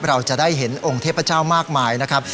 เราจะได้เห็นองค์เทพเจ้ามากมายนะครับ